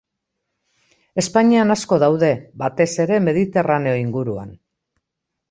Espainian asko daude, batez ere Mediterraneo inguruan.